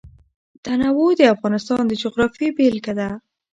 تنوع د افغانستان د جغرافیې بېلګه ده.